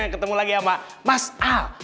yang ketemu lagi sama mas al